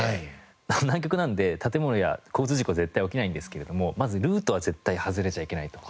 南極なので建物や交通事故は絶対起きないんですけれどもまずルートは絶対外れちゃいけないと。